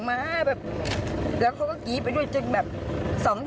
แล้วก็กี๊กอยู่จึงแบบสองที